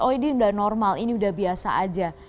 oh ini sudah normal ini sudah biasa saja